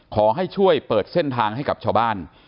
ขอให้ช่วยเปิดเส้นทางให้กับชาวบ้าน